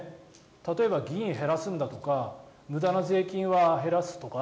例えば議員を減らすんだとか無駄な税金は減らすとか